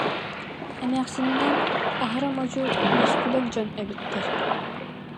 Эмээхсининээн аһара модьу, үөскүлэҥ дьон эбиттэр